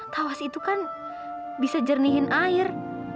tawas itu kan bisa jernihin air